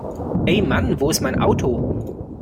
Ey Mann, wo ist mein Auto?